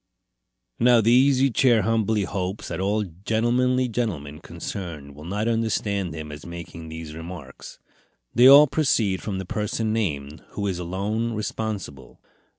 Now the Easy Chair humbly hopes that all gentlemanly gentlemen concerned will not understand him as making these remarks. They all proceeded from the person named, who is alone responsible.